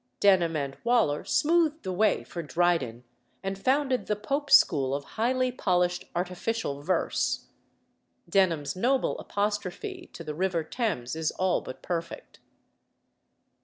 Denham and Waller smoothed the way for Dryden, and founded the Pope school of highly polished artificial verse. Denham's noble apostrophe to the river Thames is all but perfect.